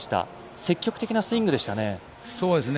積極的なスイングでしたね。